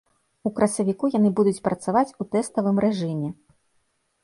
У красавіку яны будуць працаваць у тэставым рэжыме.